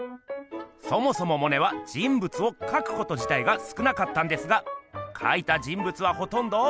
そもそもモネは人物をかくことじたいがすくなかったんですがかいた人物はほとんど。